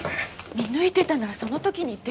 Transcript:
見抜いてたならその時に言ってください。